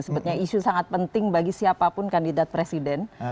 sebetulnya isu sangat penting bagi siapapun kandidat presiden